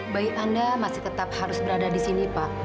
baik anda masih tetap harus berada di sini pak